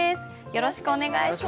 よろしくお願いします。